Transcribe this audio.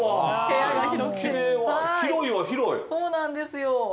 そうなんですよ。